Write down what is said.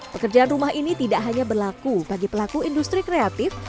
pekerjaan rumah ini tidak hanya berlaku bagi pelaku industri kreatif